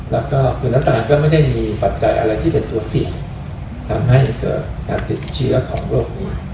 แล้วก็คุณน้ำตาลก็ไม่ได้มีปัจจัยอะไรที่เป็นตัวเสี่ยงทำให้เกิดการติดเชื้อของโรคนี้